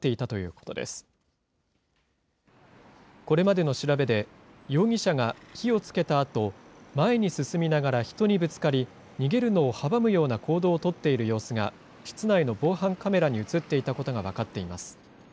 これまでの調べで、容疑者が火をつけたあと、前に進みながら人にぶつかり、逃げるのを阻むような行動を取っている様子が、室内の防犯カメラに写っていたことが分かっています。